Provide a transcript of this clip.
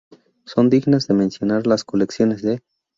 Son dignas de mencionar las colecciones de,